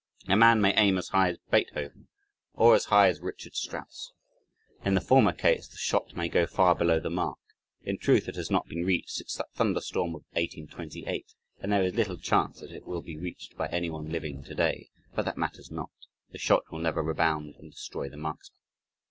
A man may aim as high as Beethoven or as high as Richard Strauss. In the former case the shot may go far below the mark; in truth, it has not been reached since that "thunder storm of 1828" and there is little chance that it will be reached by anyone living today, but that matters not, the shot will never rebound and destroy the marksman.